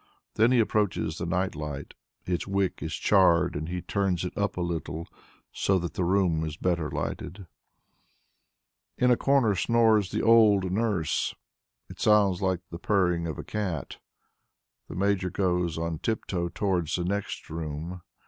Then he approaches the night lamp. Its wick is charred and he turns it up a little, so that the room is better lighted. In a corner snores the old nurse; it sounds like the purring of a cat. The Major goes on tip toe towards the next room.